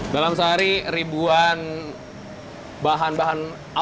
dalam sehari ribuan bahan bahan alam